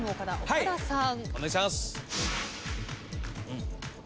岡田さん。